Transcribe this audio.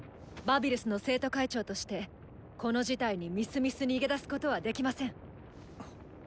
バビルスの生徒会長としてこの事態にみすみす逃げ出すことはできません。